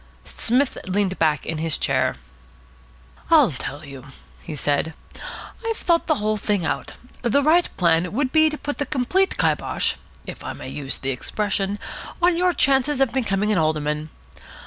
Psmith leaned back in his chair. "I'll tell you," he said. "I've thought the whole thing out. The right plan would be to put the complete kybosh (if I may use the expression) on your chances of becoming an alderman.